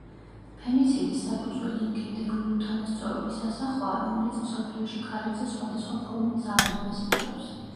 ფემიციდის საფუძველი იმ გენდერული უთანასწორობის ასახვაა, რომელიც მსოფლიოში ქალებზე სხვადასხვა ფორმით ძალადობას იწვევს.